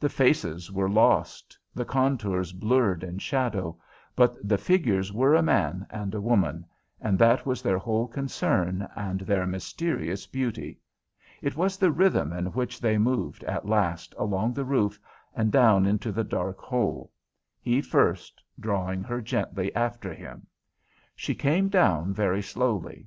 The faces were lost, the contours blurred in shadow, but the figures were a man and a woman, and that was their whole concern and their mysterious beauty, it was the rhythm in which they moved, at last, along the roof and down into the dark hole; he first, drawing her gently after him. She came down very slowly.